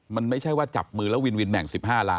มันไม่ใช่ว่าจับมือแล้ววินวินแบ่ง๑๕ล้าน